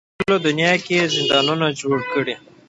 په ټوله دنیا کې یې زندانونه جوړ کړي.